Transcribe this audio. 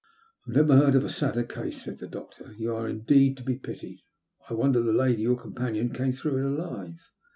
''I never heard a sadder case," said the doctor. ''You are indeed to be pitied. I wonder the lady, your companion, came through it alive.